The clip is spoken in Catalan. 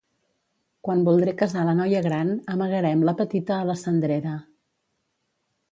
Quan voldré casar la noia gran amagarem la petita a la cendrera.